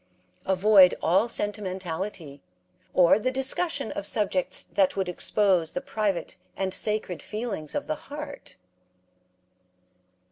Avoid all sentimentality, or the discussion of subjects that would expose the private and sacred feelings of the heart.